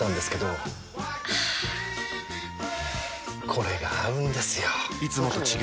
これが合うんですよ！